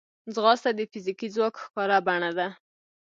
ځغاسته د فزیکي ځواک ښکاره بڼه ده